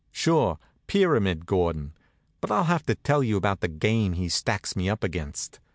Sure, Pyramid Gordon. But I'll have to tell you about the game he stacks me up against.